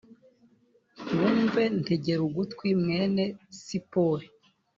wumve ntegera ugutwi mwene sipori